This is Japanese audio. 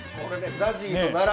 ＺＡＺＹと。